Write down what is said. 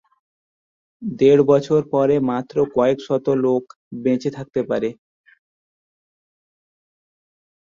দেড় বছর পরে মাত্র কয়েক শত লোক বেঁচে থাকতে পারে।